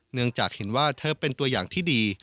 เนื่องจากเห็นว่าเธอเป็นตัวอย่างที่ดี